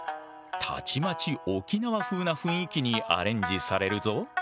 たちまち沖縄風な雰囲気にアレンジされるぞ。